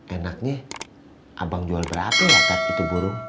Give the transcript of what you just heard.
enaknya abang jual berapa ya kaki tuh burung